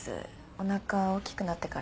おなか大きくなってからは。